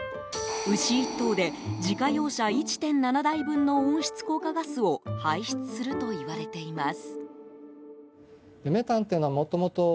牛１頭で自家用車１．７台分の温室効果ガスを排出するといわれています。